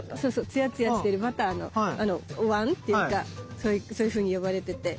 ツヤツヤしてるバターのおわんっていうかそういうふうに呼ばれてて。